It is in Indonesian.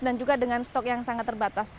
dan juga dengan stok yang sangat terbatas